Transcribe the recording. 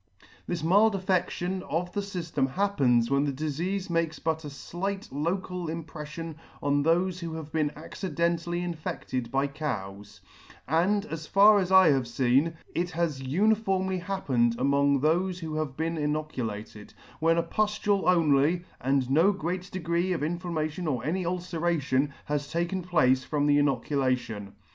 This mild affection of the fyftem happens when the difeafe makes but a flight local im preflion on thofe who have been accidentally infedted by cows ; and, as far as I have feen, it has uniformly happened among thofe who have been inoculated, when a puftule only, and no great degree of inflammation or any ulceration, has taken place from the inoculation.